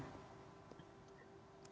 baik kami akan mendalami pernyataan dari pns